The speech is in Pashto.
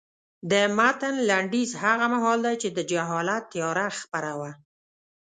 د متن لنډیز هغه مهال دی چې د جهالت تیاره خپره وه.